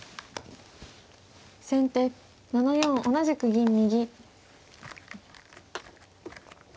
先手７四同じく銀右。